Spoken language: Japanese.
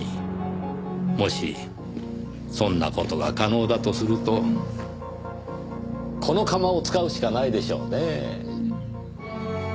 もしそんな事が可能だとするとこの窯を使うしかないでしょうねぇ。